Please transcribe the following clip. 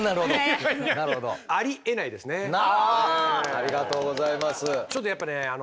ありがとうございます。